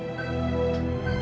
dia sudah berakhir